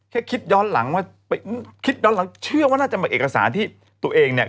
คิดย้อนหลังว่าคิดย้อนหลังเชื่อว่าน่าจะมาเอกสารที่ตัวเองเนี่ย